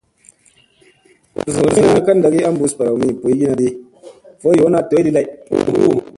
Goor zogina ka ɗagi a bus baraw mi boyginadi, vo yoona doydi lay.